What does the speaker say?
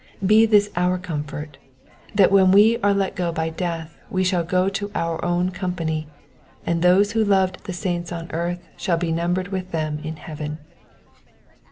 Be this our comfort, that when we are let go by death we shall go to our own company, and those who loved the saints on earth shall be numbered with them in heaven.